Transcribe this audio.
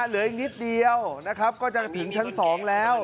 เหลืออีกนิดเดียวนะครับก็จะถึงชั้น๒แล้ว